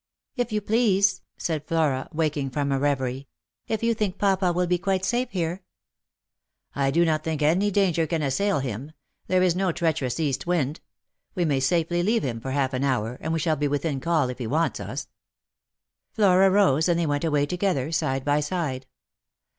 " If you please," said Flora, waking from a reverie. " If you think papa will be quite safe here." " I do not think any danger can assail him. There is no treacherous east wind. We may safely leave him for half an hour, and we shall be within call if he wants us." Lost for Love. 139 Flora rose, and they went away together, side by side.